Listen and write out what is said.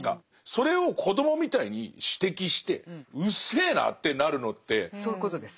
それを子どもみたいに指摘してうっせえなってなるのってすごいですよね。